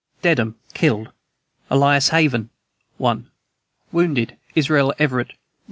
DEDHAM. Killed: Elias Haven, 1. Wounded: Israel Everett, 1.